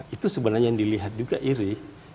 itu sebenarnya yang dilihat juga iri